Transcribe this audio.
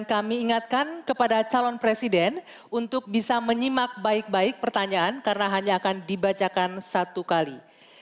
saya ingatkan kepada calon presiden untuk bisa menyimak baik baik pertanyaan karena hanya akan dibacakan satu kali